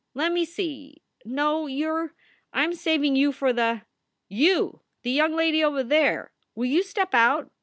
Let me see no, you re I m saving you for the You, the young lady over there will you step out